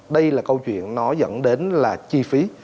đây là câu chuyện nó dẫn đến là chi phí